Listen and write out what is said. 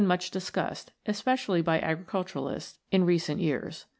much discussed, especially by agriculturists, in recent years (39 w*).